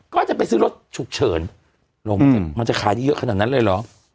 ก็จะไปซื้อรถฉุกเฉินลงมันจะขายได้เยอะขนาดนั้นเลยเหรอ